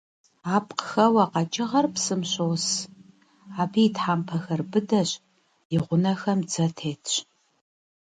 Апкъхэуэ къэкӀыгъэр псым щос, абы и тхьэмпэхэр быдэщ, и гъунэхэм дзэ тетщ.